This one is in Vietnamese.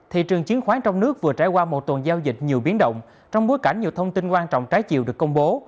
thị trường chiến khoán trong nước vừa trải qua một tuần giao dịch nhiều biến động trong bối cảnh nhiều thông tin quan trọng trái chiều được công bố